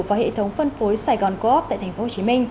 và hệ thống phân phối sài gòn co op tại tp hcm